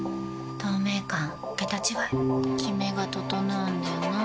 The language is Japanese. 透明感桁違いキメが整うんだよな。